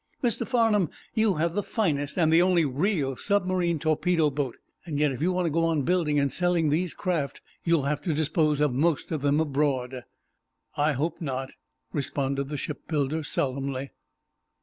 Mr. Farnum, you have the finest, and the only real submarine torpedo boat. Yet, if you want to go on building and selling these craft, you'll have to dispose of most of them abroad." "I hope not," responded the shipbuilder, solemnly.